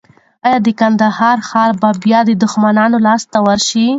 ایا د کندهار ښار به بیا د دښمن لاس ته ورشي؟